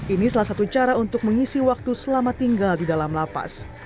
ini salah satu cara untuk mengisi waktu selama tinggal di dalam lapas